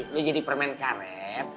lu jadi permain karet